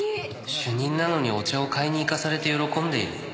主任なのにお茶を買いに行かされて喜んでいる